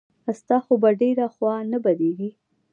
ستا خو به ډېره خوا نه بدېږي.